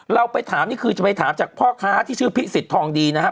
เราไปถามนี่คือจะไปถามจากพ่อค้าที่ชื่อพิสิทธองดีนะครับ